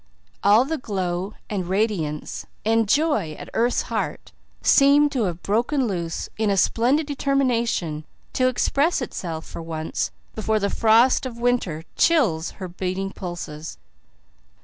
All the glow and radiance and joy at earth's heart seem to have broken loose in a splendid determination to express itself for once before the frost of winter chills her beating pulses.